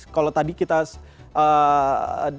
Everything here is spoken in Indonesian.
kalau tadi kita dengar